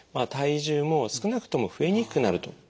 体重も少なくとも増えにくくなると。